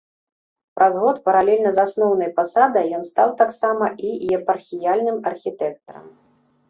Праз год паралельна з асноўнай пасадай ён стаў таксама і епархіяльным архітэктарам.